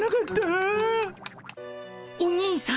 お兄さん。